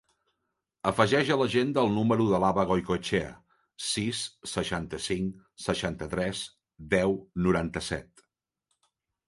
Afegeix a l'agenda el número de l'Abba Goikoetxea: sis, seixanta-cinc, seixanta-tres, deu, noranta-set.